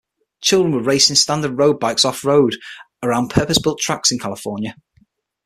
Children were racing standard road bikes off-road, around purpose-built tracks in California.